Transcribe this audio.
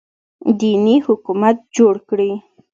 دیني حکومت جوړ کړي